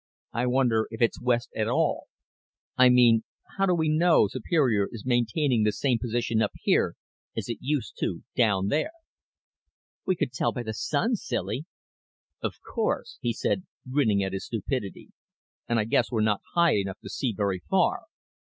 "I wonder if it's west at all. I mean, how do we know Superior is maintaining the same position up here as it used to down there?" "We could tell by the sun, silly." "Of course," he said, grinning at his stupidity. "And I guess we're not high enough to see very far.